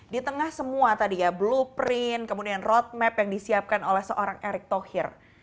di tengah semua tadi ya blueprint kemudian roadmap yang disiapkan oleh seorang erick thohir